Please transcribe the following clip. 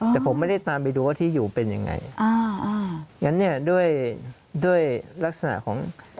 อ๋อแต่ผมไม่ได้ตามไปดูว่าที่อยู่เป็นอย่างไรอย่างนี้ด้วยลักษณะของ